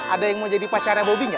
ada yang mau jadi pacarnya bobi nggak